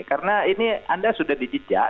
karena ini anda sudah di jejak